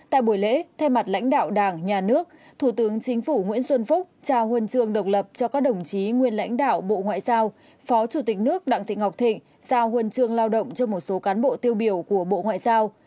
tại buổi lễ thay mặt lãnh đạo đảng nhà nước thủ tướng chính phủ nguyễn xuân phúc trao huân trường độc lập cho các đồng chí nguyên lãnh đạo bộ ngoại giao phó chủ tịch nước đặng thị ngọc thịnh sao huân chương lao động cho một số cán bộ tiêu biểu của bộ ngoại giao